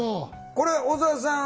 これ小沢さん